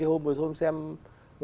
hôm hôm xem